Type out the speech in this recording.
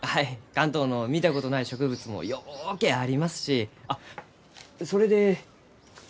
関東の見たことない植物もようけありますしあっそれで。